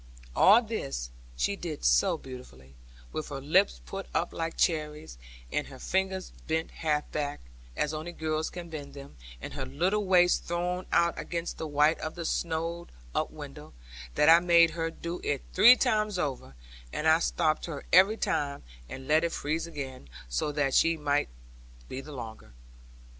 All this she did so beautifully, with her lips put up like cherries, and her fingers bent half back, as only girls can bend them, and her little waist thrown out against the white of the snowed up window, that I made her do it three times over; and I stopped her every time and let it freeze again, that so she might be the longer.